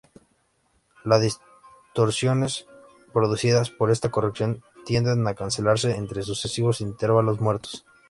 La distorsiones producidas por esta corrección tienden a cancelarse entre sucesivos intervalos muertos.